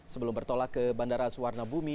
sebelum bertolak ke bandara suwarnabumi